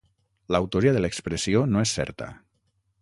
L'autoria de l'expressió no és certa.